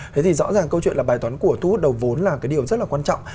thế thì rõ ràng câu chuyện là bài toán của thu hút đầu vốn là cái điều rất là quan trọng